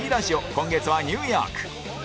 今月はニューヨーク